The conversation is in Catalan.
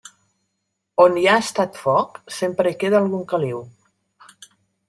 A on hi ha estat foc, sempre hi queda algun caliu.